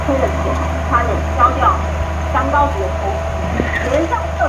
此一转变使得热带神经衰弱的致病因由气候转变为压抑欲望。